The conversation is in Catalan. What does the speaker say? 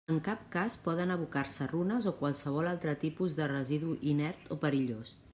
En cap cas poden abocar-se runes o qualsevol altre tipus de residu inert o perillós.